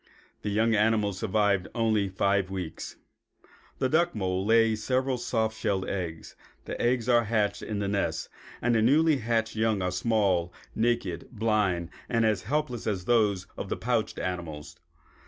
The young animals survived only five weeks. The duck mole lays several soft shelled eggs. The eggs are hatched in the nest. The newly hatched young are small, naked, blind and as helpless as those of the pouched animals.